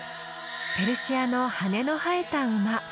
ペルシアの羽の生えた馬。